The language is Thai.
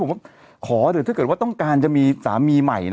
ผมว่าคอถ้าเกิดว่าต้องการจะมีสามีใหม่